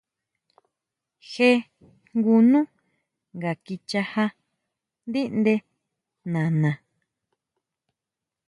Je jngu nú nga kichajá ndíʼnde nana .